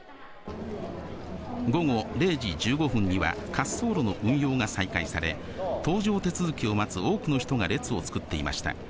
午後０時１５分には滑走路の運用が再開され、搭乗手続きを待つ多くの人が列を作っていました。